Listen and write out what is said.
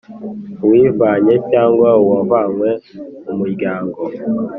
Uwivanye cyangwa uwavanywe mu muryango